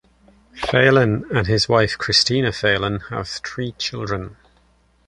Phalen and his wife Christina Phalen have three children.